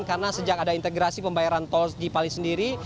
karena sejak ada integrasi pembayaran tol di pali sendiri